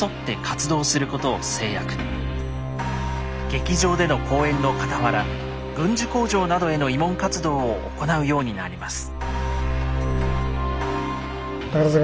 劇場での公演のかたわら軍需工場などへの慰問活動を行うようになります。